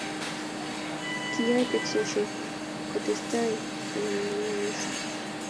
Kiyoe teksosiek kotestai emenyo mising